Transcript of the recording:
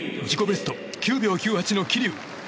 ベスト９秒９８の桐生。